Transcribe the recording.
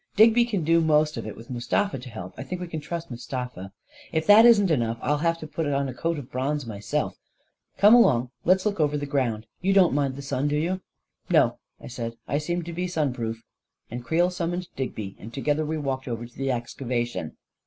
Digby can do most of it, with Mustafa to help. I think we can trust Mustafa. If that isn't enough, I'll have to put on a coat of bronze myself. Come along and let's look over the ground. You don't mind the sun, do you ?" 242 A KING IN BABYLON "No," I said; "I seem to be sun proof"; and Creel summoned Digby, and together we walked over to the excavation.